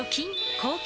抗菌！